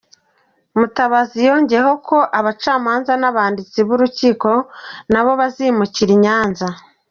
Mutabazi yongeyeho ko abacamanza n’abanditsi b’urukiko nabo bazimukira i Nyanza.